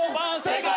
正解！